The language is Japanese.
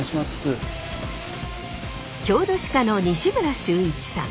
郷土史家の西村修一さん。